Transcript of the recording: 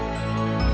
adalah meng help